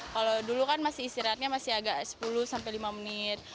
kalau dulu kan masih istirahatnya masih agak sepuluh sampai lima menit